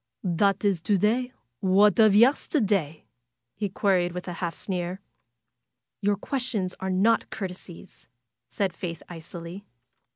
^^That is to day. What of yesterday?'^ he queried, with a half sneer. ^^Your questions are not courtesies," said Faith, icily.